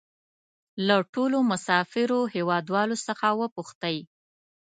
له ټولو مسافرو هېوادوالو څخه وپوښتئ.